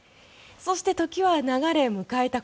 そして、時は流れ迎えた